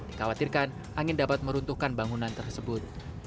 dikhawatirkan angin dapat meruntuhkan bangunan tersebut